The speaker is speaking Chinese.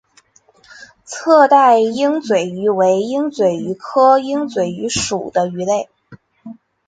侧带鹦嘴鱼为鹦嘴鱼科鹦嘴鱼属的鱼类。